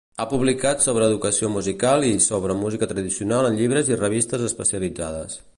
Ha publicat sobre educació musical i sobre música tradicional en llibres i revistes especialitzades.